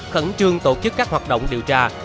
khẩn trương tổ chức các hoạt động điều tra